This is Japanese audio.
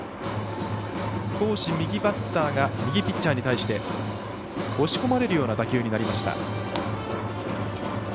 少し右バッターが右ピッチャーに対して押し込まれるような打球になりました。